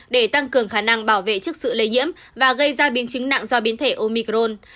để tăng cường khả năng bảo vệ trước sự lây nhiễm và gây ra biến chứng nặng do biến thể omicron